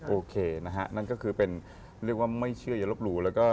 โอเคนะฮะนั่นก็คือเป็นเรียกว่าไม่เชื่ออย่าลบหลู่แล้วก็